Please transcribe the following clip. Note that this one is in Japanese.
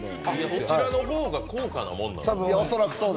こちらの方が高価なものなんですね。